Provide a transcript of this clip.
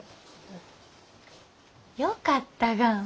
よかったがん。